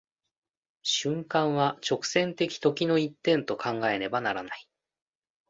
瞬間は直線的時の一点と考えねばならない。